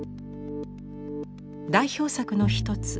代表作の一つ